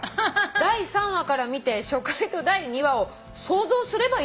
「第３話から見て初回と第２話を想像すればいいじゃないか」